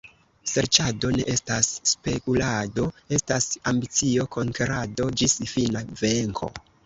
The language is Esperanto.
Serĉado ne estas spekulado, estas ambicio, konkerado ĝis fina venko.